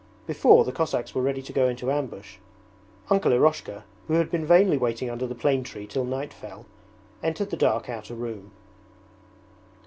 Before the Cossacks were ready to go into ambush. Uncle Eroshka, who had been vainly waiting under the plane tree till night fell, entered the dark outer room.